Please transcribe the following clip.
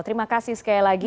terima kasih sekali lagi